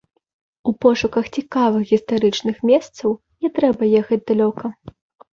У пошуках цікавых гістарычных месцаў не трэба ехаць далёка.